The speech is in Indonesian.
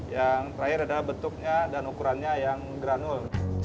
yang terakhir adalah bentuknya dan ukurannya yang granul